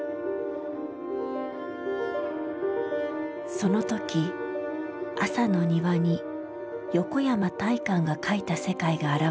その時朝の庭に横山大観が描いた世界が現れた。